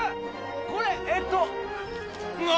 これえっと。が！